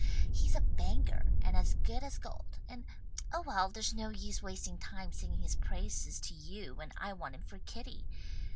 He's a banker and as good as gold and oh well, there's no use wasting time singing his praises to you when I want him for Kitty!